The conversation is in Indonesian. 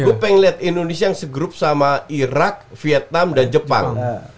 gue pengen lihat indonesia yang se grup sama irak vietnam dan jepang